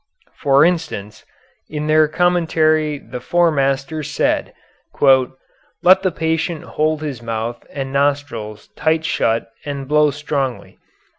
For instance, in their commentary the Four Masters said: "Let the patient hold his mouth and nostrils tight shut and blow strongly."